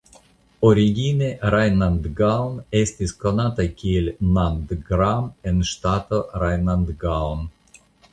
Origine Rajnandgaon estis konata kiel Nandgram en ŝtato Rajnandgaon.